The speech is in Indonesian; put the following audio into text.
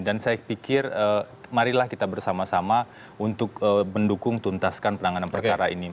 dan saya pikir marilah kita bersama sama untuk mendukung tuntaskan penanganan perkara ini